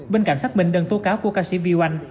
bên cảnh sát mình đơn tố cáo của ca sĩ viu anh